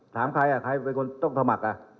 ถามใครใครเป็นคนต้องสมัคร